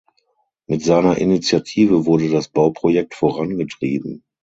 Mit seiner Initiative wurde das Bauprojekt voran getrieben.